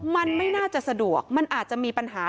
มันไม่น่าจะสะดวกมันอาจจะมีปัญหา